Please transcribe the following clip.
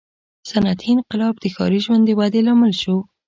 • صنعتي انقلاب د ښاري ژوند د ودې لامل شو.